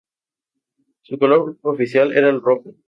Su color oficial era el rojo.